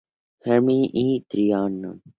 Germain y Trianon.